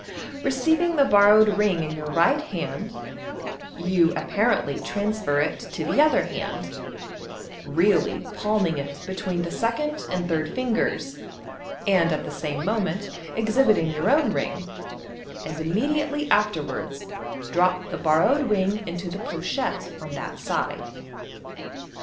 Receiv ing the borrowed ring in your right hand, you apparently transfer it to the other hand (really palmiLg it between the second and third fingers, and at the same moment exhibiting your own ring), and im mediately afterwards drop the borrowed ring into the pochette on that side.